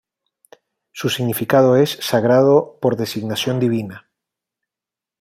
Su significado es "sagrado por designación divina".